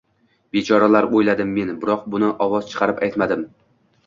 “Bechoralar” – oʻyladim men, biroq buni ovoz chiqarib aytmadim.